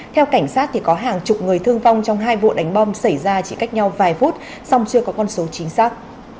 theo cảnh sát thì có hàng chục người thương vong trong hai vụ đánh bom xảy ra chỉ cách nhau vài phút song chưa có con số chính xác